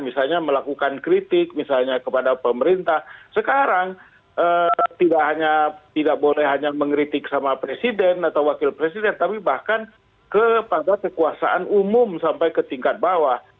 misalnya melakukan kritik misalnya kepada pemerintah sekarang tidak boleh hanya mengkritik sama presiden atau wakil presiden tapi bahkan kepada kekuasaan umum sampai ke tingkat bawah